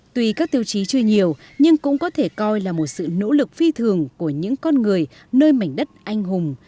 tuy các tiêu chí chưa nhiều nhưng cũng có thể coi là một sự nỗ lực phi thường của những con người nơi mảnh đất anh hùng